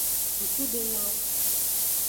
Susudenglo.